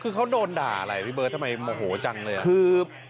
คือเขาโดนด่าอะไรพี่เบิ้ลทำไมโมโหจังเลย